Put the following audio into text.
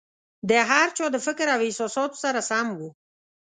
د هر چا د فکر او احساساتو سره سم وو.